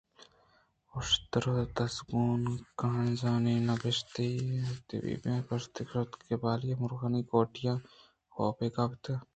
اُشتر ءِ دزّی کُون کِنزکائی نہ بیتپِشی ئیں طَبِیب یک پِشّی ئِے ءَ اِشکُت کہ بالی مُرغانی کُوٹیاں ہوٛپے کپتگ